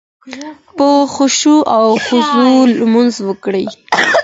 په خشوع او خضوع لمونځ وکړئ